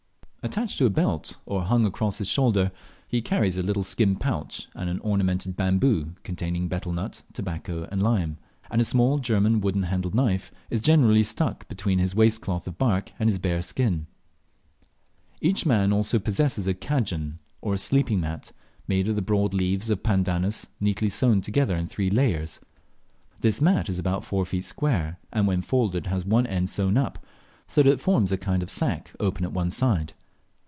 Attached to a belt, or hung across his shoulder, he carries a little skin pouch and an ornamented bamboo, containing betel nut, tobacco, and lime, and a small German wooden handled knife is generally stuck between his waist cloth of bark and his bare shin. Each man also possesses a "cadjan," or sleeping mat, made of the broad leaves of a pandanus neatly sewn together in three layers. This mat is abort four feet square, and when folded has one end sewn up, so that it forms a kind of sack open at one side.